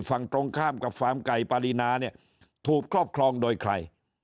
ฝั่งตรงข้ามกับฟาร์มไก่ปารีนาเนี่ยถูกครอบครองโดยใคร